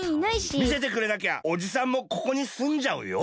みせてくれなきゃおじさんもここにすんじゃうよ？